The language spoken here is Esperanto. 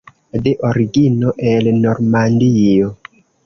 De origino el Normandio.